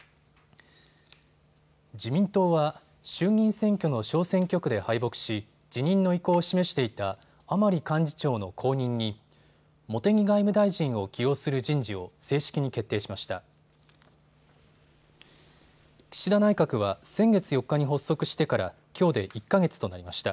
自民党は衆議院選挙の小選挙区で敗北し、辞任の意向を示していた甘利幹事長の後任に茂木外務大臣を起用する人事を正式に決定しました。